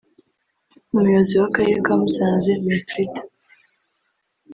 Umuyobozi w’Akarere ka Musanze Winfrida